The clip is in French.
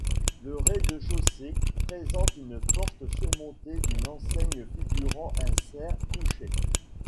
Le rez-de-chaussée présente une porte surmontée d'une enseigne figurant un cerf couché.